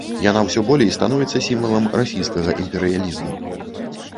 Яна ўсё болей становіцца сімвалам расійскага імперыялізму.